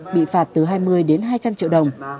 bị phạt từ hai mươi đến hai trăm linh triệu đồng